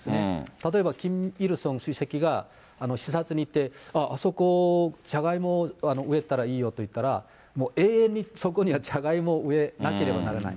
例えば、キム・イルソン主席が視察に行って、ああ、あそこ、じゃがいも植えたらいいよと言ったら、もう永遠にそこにはじゃがいもを植えなければならない。